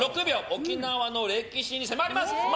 沖縄の歴史に迫ります。